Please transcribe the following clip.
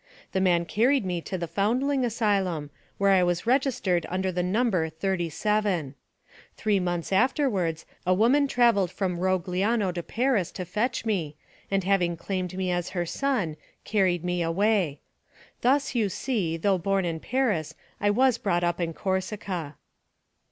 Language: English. The man carried me to the foundling asylum, where I was registered under the number 37. Three months afterwards, a woman travelled from Rogliano to Paris to fetch me, and having claimed me as her son, carried me away. Thus, you see, though born in Paris, I was brought up in Corsica."